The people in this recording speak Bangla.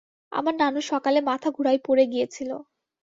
আমার নানু সকালে মাথা ঘুরায় পরে গিয়েছিলো।